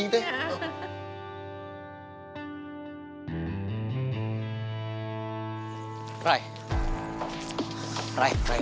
tadi aku belum selesai jelasin ke kamu